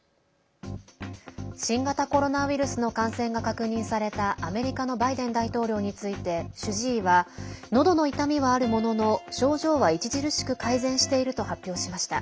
新型コロナウイルスの感染が確認されたアメリカのバイデン大統領について主治医はのどの痛みはあるものの症状は著しく改善していると発表しました。